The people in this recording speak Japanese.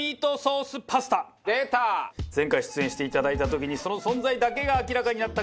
前回出演していただいた時にその存在だけが明らかになったこのレシピ。